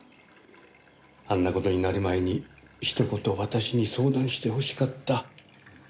あんな事になる前にひと言私に相談してほしかった。